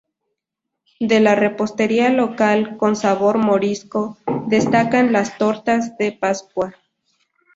De la repostería local, con sabor morisco, destacan las tortas de Pascua.